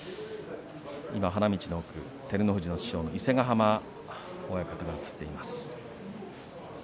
花道の奥には照ノ富士の師匠の伊勢ヶ濱親方が映っています。